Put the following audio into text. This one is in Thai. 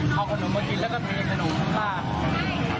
เด็กก็ยังทำเอาขนมมากินแล้วก็เทขนมของบ้าน